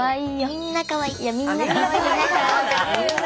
みんなかわいいよ。